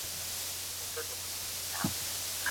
د سبو داغ په سړو اوبو پاکېږي.